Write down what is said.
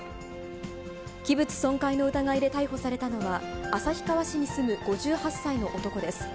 器物損壊の疑いで逮捕されたのは、旭川市に住む５８歳の男です。